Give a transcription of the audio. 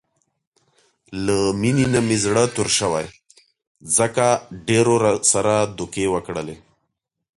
له مینې نه مې زړه تور شوی، ځکه ډېرو راسره دوکې وکړلې.